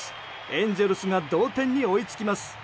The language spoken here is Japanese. エンゼルスが同点に追いつきます。